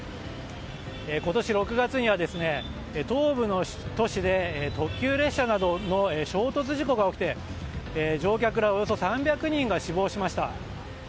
今年６月には東部の都市で特急列車などの衝突事故が起きて乗客らおよそ３００人が死亡しました。